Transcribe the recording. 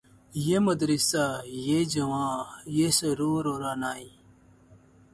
یہ مدرسہ یہ جواں یہ سرور و رعنائی